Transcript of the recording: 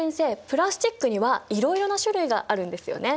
プラスチックにはいろいろな種類があるんですよね？